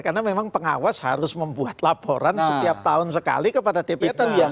karena memang pengawas harus membuat laporan setiap tahun sekali kepada dpr dan presiden